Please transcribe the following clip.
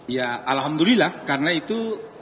ya alhamdulillah karena itu